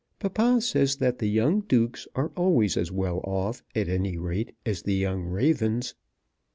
Papa says that the young dukes are always as well off, at any rate, as the young ravens.